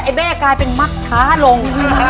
แม่กลายเป็นมักช้าลง